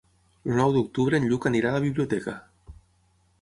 El nou d'octubre en Lluc anirà a la biblioteca.